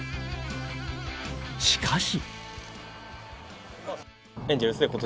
しかし。